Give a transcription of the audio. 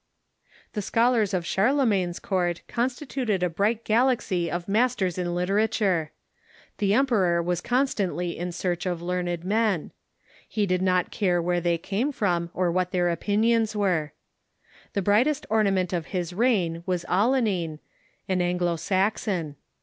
The scholars of Charlemagne's court constituted a bright galaxy of masters in literature. The emperor was constantly o u I t in search of learned men. He did not care where Scholars ot Charlemagne's they came from or what their opinions were. The Court brightest ornament of his reign was Alcuin, an An glo Saxon.